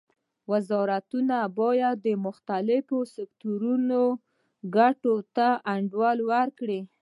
وزارتونه باید د مختلفو سکتورونو ګټو ته انډول ورکړي